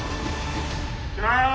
いきます！